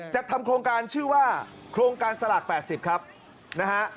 จัดทำโครงการชื่อว่าโครงการสลาก๘๐ครับนะฮะ